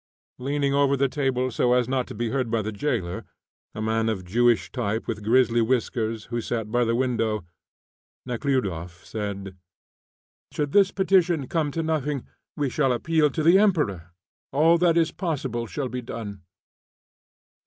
Leaning over the table so as not to be heard by the jailer a man of Jewish type with grizzly whiskers, who sat by the window Nekhludoff said: "Should this petition come to nothing we shall appeal to the Emperor. All that is possible shall be done."